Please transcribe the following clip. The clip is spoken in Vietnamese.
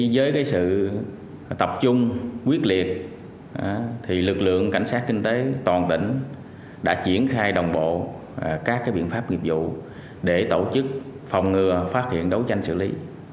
với sự tập trung quyết liệt lực lượng cảnh sát kinh tế toàn tỉnh đã triển khai đồng bộ các biện pháp nghiệp vụ để tổ chức phòng ngừa phát hiện đấu tranh xử lý